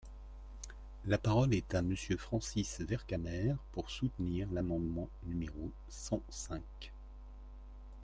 La parole est à Monsieur Francis Vercamer, pour soutenir l’amendement numéro cent cinq.